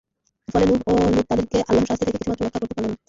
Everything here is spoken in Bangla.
ফলে, নূহ ও লূত তাদেরকে আল্লাহর শাস্তি থেকে কিছুমাত্র রক্ষা করতে পারল না।